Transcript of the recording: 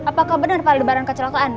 apakah benar pak lebaran kecelakaan